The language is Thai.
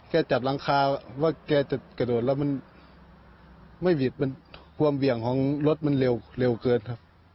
จัดหลังคาว่าแกจะกระโดดแล้วมันไม่บิดมันความเหวี่ยงของรถมันเร็วเกินครับ